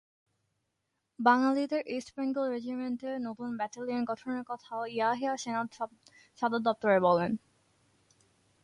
বাঙালিদের ইস্ট বেঙ্গল রেজিমেন্টে নতুন ব্যাটেলিয়ন গঠনের কথাও ইয়াহিয়া সেনা সদর দপ্তরে বলেন।